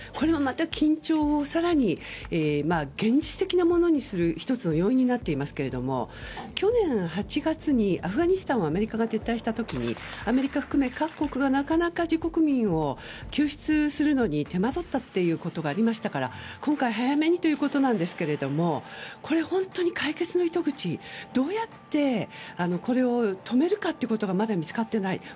これも、また緊張を更に現実的なものにする１つの要因になっていますけれども去年８月にアフガニスタンをアメリカが撤退した時にアメリカを含め各国がなかなか自国民を救出するのに手間どったということがありましたから今回、早めにということなんですけれども本当に解決の糸口どうやってこれを止めるかということがまだ見つかっていない。